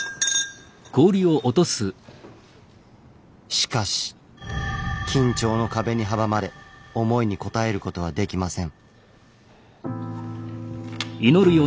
しかし緊張の壁に阻まれ思いに応えることはできません。